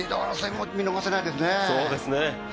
見逃せないですね。